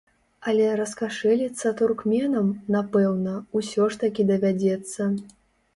Але раскашэліцца туркменам, напэўна, усё ж такі давядзецца.